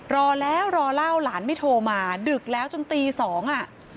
รอแล้วรอเล่าหลานไม่โทรมาดึกแล้วจนตีสองอ่ะ